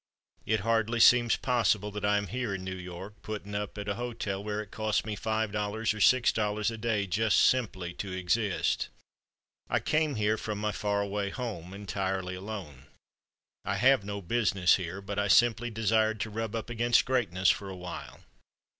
It hardly seems possible that I am here in New York, putting up at a hotel where it costs me $5 or $6 a day just simply to exist. I came here from my far away home entirely alone. I have no business here, but I simply desired to rub up against greatness for awhile.